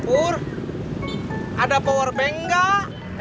pura ada powerbank gak